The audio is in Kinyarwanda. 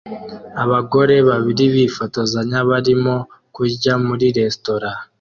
Abagore babiri bifotozanya barimo kurya muri resitora